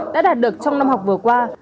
đã đạt được trong năm học vừa qua